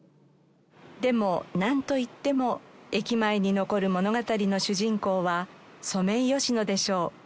でもなんといっても駅前に残る物語の主人公はソメイヨシノでしょう。